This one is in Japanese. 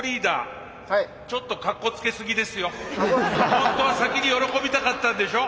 ホントは先に喜びたかったんでしょ。